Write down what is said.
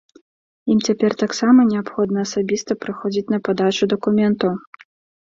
Ім цяпер таксама неабходна асабіста прыходзіць на падачу дакументаў.